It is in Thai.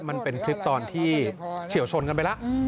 มันเป็นคลิปตอนที่เฉียวชนกันไปแล้ว